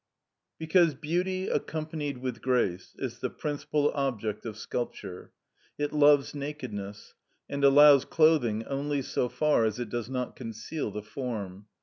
Because beauty accompanied with grace is the principal object of sculpture, it loves nakedness, and allows clothing only so far as it does not conceal the form.